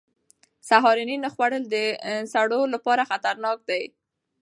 سهارنۍ نه خوړل د سړو لپاره خطرناک دي.